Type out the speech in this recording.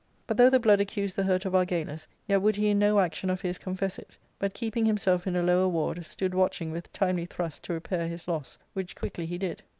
But, though the blood accused the hurt of Argalus, yet would he in no action of his confess it, but, keeping himself in a lower ward, stood watching with timely thrusts to repair his loss, which quickly he did.